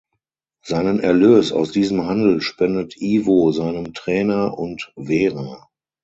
Seinen Erlös aus diesem Handel spendet Ivo seinem Trainer und Vera.